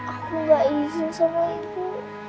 aku gak izin sama ibu